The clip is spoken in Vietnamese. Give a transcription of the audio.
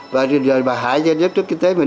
và hại cho